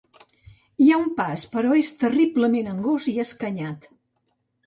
Hi ha un pas, però és terriblement angost, escanyat.